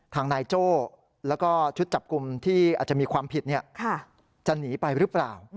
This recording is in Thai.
ทางนายโจ้แล้วก็ชุดจับกลุ่มที่อาจจะมีความผิดจะหนีไปหรือเปล่า